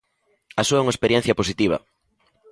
A súa é unha experiencia positiva.